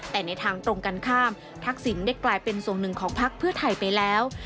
แต่ในทางตรงกันข้ามทักษิณได้กลายเป็นส่วนหนึ่งของพักเพื่อไทยไปแล้ว